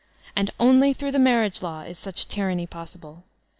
And only through the marriage law is such ty ranny possible.